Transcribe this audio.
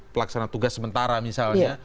pelaksana tugas sementara misalnya